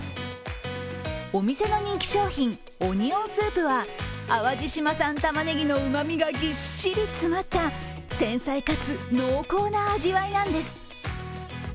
お店の人気商品、オニオンスープは淡路島産たまねぎのうまみがぎっしり詰まった繊細かつ濃厚な味わいなんです。